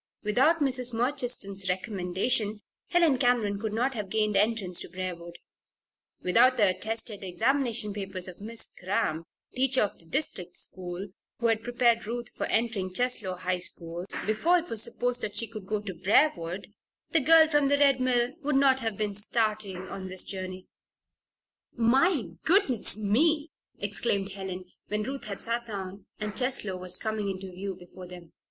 Without Mrs. Murchiston's recommendation Helen Cameron could not have gained entrance to Briarwood; without the attested examination papers of Miss Cramp, teacher of the district school, who had prepared Ruth for entering Cheslow High School before it was supposed that she could go to Briarwood, the girl from the Red Mill would not have been starting on this journey. "My goodness me!" exclaimed Helen, when Ruth had sat down and Cheslow was coming into view before them.